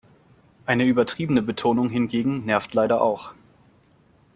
Eine übertriebene Betonung hingegen nervt leider auch.